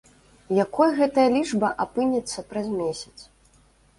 Якой гэтая лічба апынецца праз месяц?